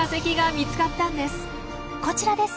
こちらです。